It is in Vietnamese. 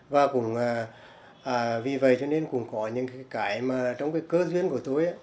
và cũng vì vậy cho nên cũng có những cái mà trong cái cơ duyên của tôi